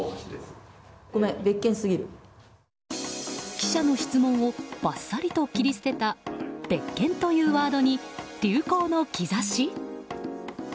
記者の質問をバッサリと切り捨てた別件というワードに流行の兆し？